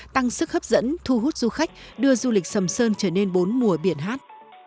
tăng sức hấp dẫn thu hút du khách đưa du lịch sầm sơn trở nên bốn mùa biển hát